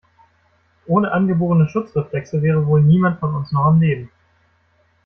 Ohne angeborene Schutzreflexe wäre wohl niemand von uns noch am Leben.